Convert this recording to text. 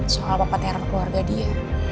soal papa teror keluarga dia